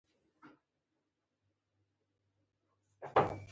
لویه جرګه د ملت د ادارې ستر مظهر ګڼل کیږي.